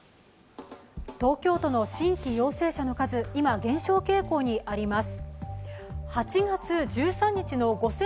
東京都の新規陽性確認者の数今、減少傾向にあります。